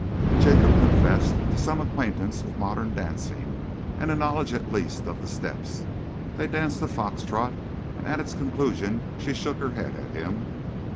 Jacob confessed to some acquaintance with modern dancing and a knowledge at least of the steps. They danced a fox trot, and at its conclusion she shook her head at him.